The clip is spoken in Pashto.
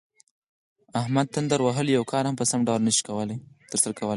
احمد تندر وهلی یو کار هم په سم ډول نشي ترسره کولی.